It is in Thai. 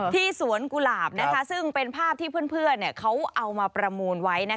ที่สวนกุหลาบซึ่งเป็นภาพที่เพื่อนเขาเอามาประมูลไว้